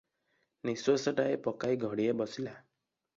ନିଶ୍ୱାସଟାଏ ପକାଇ ଘଡ଼ିଏ ବସିଲା ।